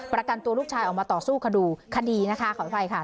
ประกันตัวลูกชายออกมาต่อสู้คดีนะคะขออภัยค่ะ